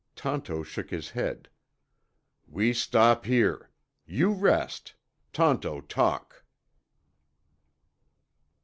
Tonto shook his head. "We stop here. You rest. Tonto talk."